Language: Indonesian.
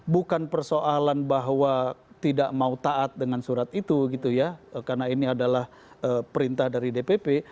bukan persoalan bahwa tidak mau taat dengan surat itu gitu ya karena ini adalah perintah dari dpp